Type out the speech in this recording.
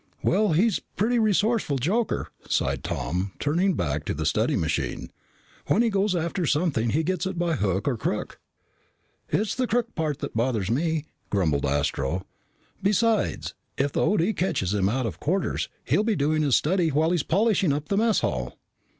"Well, he's a pretty resourceful joker," sighed Tom, turning back to the study machine. "When he goes after something, he gets it by hook or crook." "It's the crook part that bothers me," grumbled Astro. "Besides, if the O.D. catches him out of quarters, he'll be doing his studying while he's polishing up the mess hall."